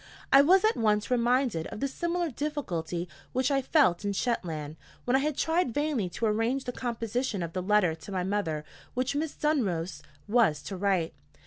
I was at once reminded of the similar difficulty which I felt in Shetland, when I had tried vainly to arrange the composition of the letter to my mother which Miss Dunross was to write.